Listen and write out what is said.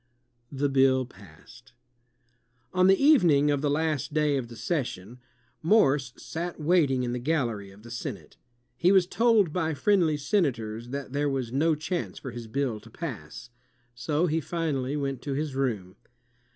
SAMUEL F. B. MORSE The Bill Passed On the evening of the last day of the session, Morse sat waiting in the gallery of the Senate. He was told by friendly Senators that there was no chance for his bill to pass, so he finally went to his room.